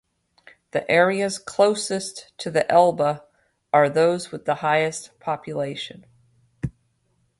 The areas closest to the Elbe are those with the highest population.